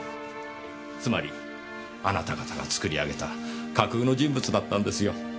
つまりあなた方が作り上げた架空の人物だったんですよ。